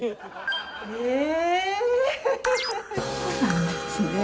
え⁉そうなんですね。